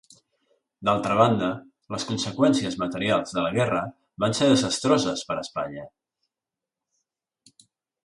D'altra banda, les conseqüències materials de la guerra van ser desastroses per a Espanya.